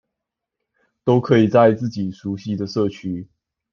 都可以在自己熟悉的社區